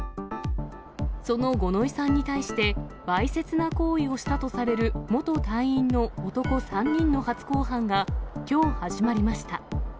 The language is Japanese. その五ノ井さんに対して、わいせつな行為をしたとされる元隊員の男３人の初公判がきょう始まりました。